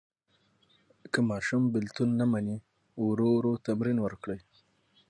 که ماشوم بېلتون نه مني، ورو ورو تمرین ورکړئ.